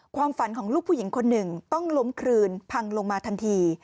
ความฝันของลูกผู้หญิงคนหนึ่งต้องล้มคลืนพังลงมาทันที